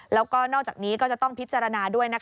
แล้วก็นอกจากนี้ก็จะต้องพิจารณาด้วย